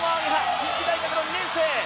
近畿大学の２年生。